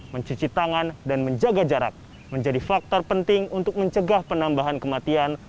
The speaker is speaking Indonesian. mencuci tangan dan menjaga jarak menjadi faktor penting untuk mencegah penambahan kematian